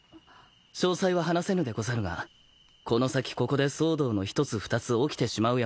詳細は話せぬでござるがこの先ここで騒動の一つ二つ起きてしまうやもしれぬ。